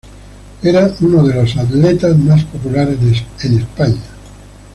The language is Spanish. Era uno de los atletas más populares en España.